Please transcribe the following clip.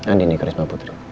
andin ekarisma putri